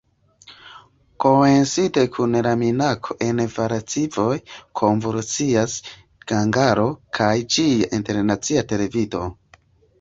Koincide kun la minaco en Varsovio konvulsias Ĝangalo kaj ĝia Internacia Televido.